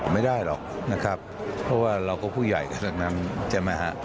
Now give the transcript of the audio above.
ไม่ได้หรอกนะครับเพราะว่าเราก็ผู้ใหญ่ขนาดนั้น